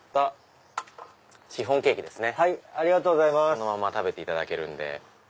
そのまま食べていただけるんで。